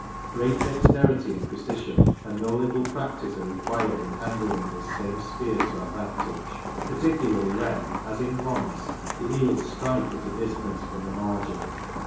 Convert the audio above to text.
Great dexterity and precision, and no little practice, are required in handling this same spear to advant age ; particularly when, as in ponds, the eels " strike " at a distance from the margin.